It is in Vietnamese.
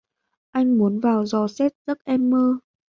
anh muốn vào dò xét giấc em mơ